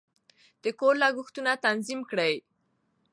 د کور لګښتونه تنظیم کړئ.